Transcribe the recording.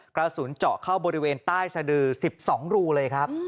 กระสุนเจาะเข้าบริเวณใต้สะดือ๑๒รูเลยครับ